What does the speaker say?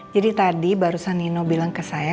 jadi tadi barusan nino bilang ke saya